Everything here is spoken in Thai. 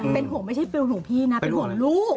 เป็นห่วงไม่ใช่ฟิลของพี่นะเป็นห่วงลูก